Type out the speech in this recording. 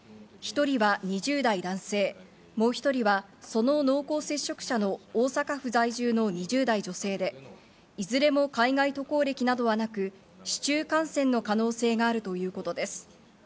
１人が２０代男性、もう１人はその濃厚接触者の大阪府在住の２０代女性で、いずれも海外渡航歴などはなく、市中感染の可能性があるということです。